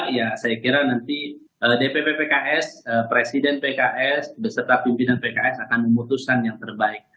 ya saya kira nanti dpp pks presiden pks beserta pimpinan pks akan memutuskan yang terbaik